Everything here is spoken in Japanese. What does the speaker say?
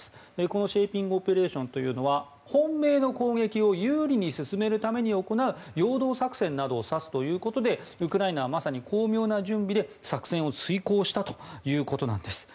このシェーピングオペレーションというのは本命の攻撃を有利に進めるために行う陽動作戦などを指すということでウクライナはまさに巧妙な準備で作戦を遂行したということです。